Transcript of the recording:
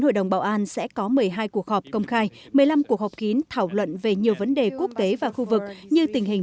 một mươi hai cuộc họp công khai một mươi năm cuộc họp kín thảo luận về nhiều vấn đề quốc tế và khu vực như tình hình